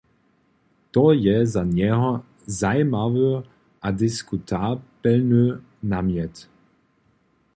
To je za njeho zajimawy a diskutabelny namjet.